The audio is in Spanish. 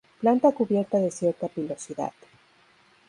Planta cubierta de cierta pilosidad.